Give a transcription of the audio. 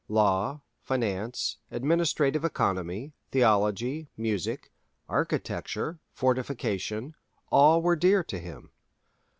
Law, finance, administrative economy, theology, music, architecture, fortification, all were dear to him.